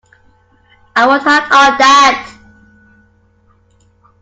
I worked hard on that!